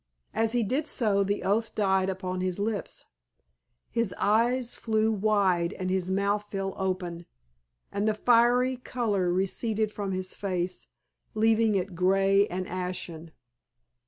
As he did so the oath died on his lips, his eyes flew wide and his mouth fell open, and the fiery color receded from his face, leaving it grey and ashen.